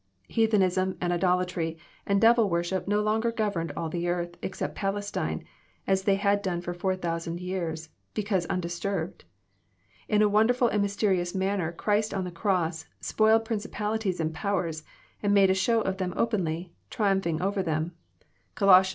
Heathenism, and idolatry, and devil worship no longer governed all the earth except Palestine, as they had done for four thou sand years, because undisturbed. In a wonderfhl and mysteri ous manner Christ on the cross "spoiled principalities and powers, and made a show of them openly, triumphing over them." (Coloss.